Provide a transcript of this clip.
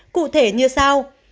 cụ thể như sau